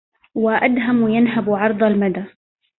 وأدهم ينهب عرض المدى